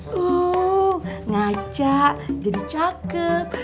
tuh ngajak jadi cakep